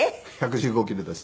１１５キロです。